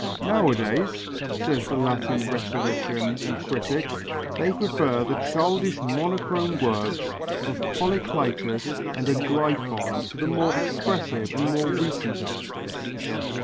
"Nowadays," says the Latin rhetorician and critic, "they prefer the childish monochrome works of Polycletus and Aglæphon to the more expressive and more recent artists."